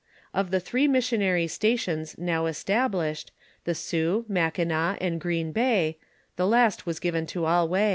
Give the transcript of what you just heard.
Of the three missionary stations now established, the Sault, Mackinaw, and Green Bay, the last was given to Allouez.